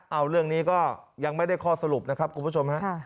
เอาเรื่องนี้ก็ยังไม่ได้ข้อสรุปนะครับคุณผู้ชมฮะ